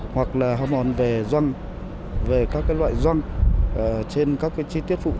hoặc là hao mòn về doanh về các cái loại doanh trên các cái chi tiết phụ huynh